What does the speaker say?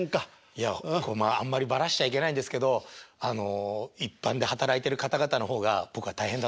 いやあんまりばらしちゃいけないんですけどあの一般で働いてる方々の方が僕は大変だと思います。